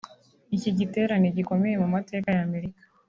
Iki giterane gikomeye mu mateka ya Amerika